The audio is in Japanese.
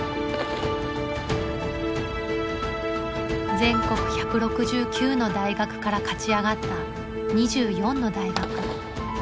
全国１６９の大学から勝ち上がった２４の大学。